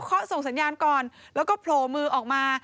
เขาส่งสัญญาณก่อนแล้วก็โผล่มือออกมา